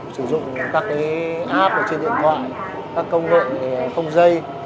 sử dụng các app trên điện thoại các công nghệ không dây